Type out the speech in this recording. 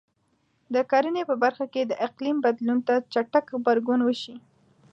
د کرنې په برخه کې د اقلیم بدلون ته چټک غبرګون وشي.